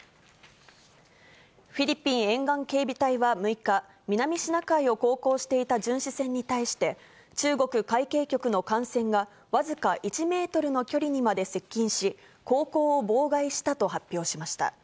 フィリピン沿岸警備隊は６日、南シナ海を航行していた巡視船に対して、中国海警局の艦船が僅か１メートルの距離にまで接近し、航行を妨害したと発表しました。